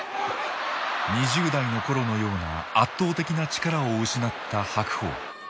２０代の頃のような圧倒的な力を失った白鵬。